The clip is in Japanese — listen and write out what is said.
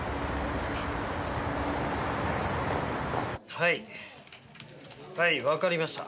はいはいわかりました。